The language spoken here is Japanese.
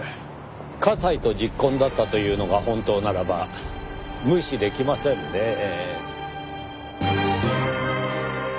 加西と昵懇だったというのが本当ならば無視できませんねぇ。